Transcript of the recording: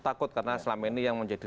takut karena selama ini yang menjadi